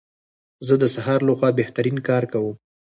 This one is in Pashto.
زه د سهار لخوا بهترین کار کوم.